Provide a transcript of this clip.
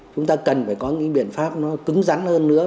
chúng ta cần phải có những biện pháp nó cứng rắn hơn nữa